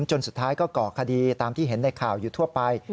จนสุดท้ายก็ก่อคดีตามที่เห็นในข่าวอยู่ทั่วไป